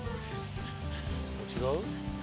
違う？